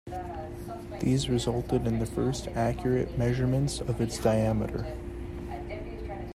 These resulted in the first accurate measurements of its diameter.